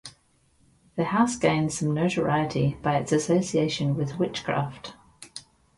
The house gained some notoriety by its association with witchcraft.